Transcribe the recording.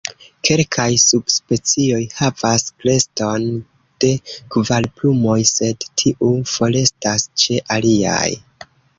Kelkaj subspecioj havas kreston de kvar plumoj, sed tiu forestas ĉe aliaj.